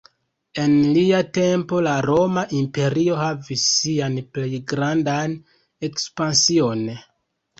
En lia tempo la Roma Imperio havis sian plej grandan ekspansion.